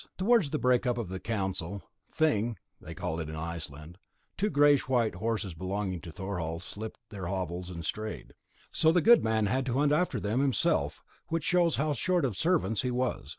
Towards the break up of the council "Thing" they call it in Iceland two greyish white horses belonging to Thorhall slipped their hobbles and strayed; so the good man had to hunt after them himself, which shows how short of servants he was.